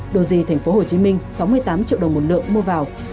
doji tp hcm sáu mươi tám triệu đồng một lượng mua vào